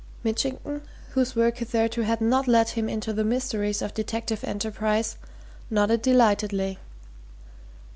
Mitchington, whose work hitherto had not led him into the mysteries of detective enterprise, nodded delightedly.